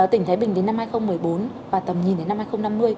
tỉnh thái bình đến năm hai nghìn một mươi bốn và tầm nhìn đến năm hai nghìn năm mươi